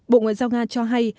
bộ ngoại giao nga cho hay